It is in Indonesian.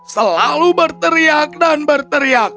selalu berteriak dan berteriak